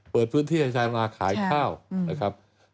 เปิดพื้นที่ให้ชาวนาขายข้าวนะครับ